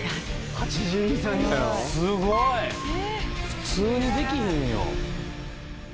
普通にできへんよ。